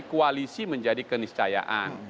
koalisi menjadi keniscayaan